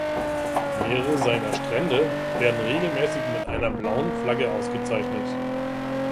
Mehrere seiner Strände werden regelmäßig mit einer Blauen Flagge ausgezeichnet.